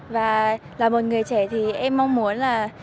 và là một người trẻ thì em mong muốn là